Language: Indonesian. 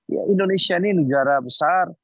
ya indonesia ini negara besar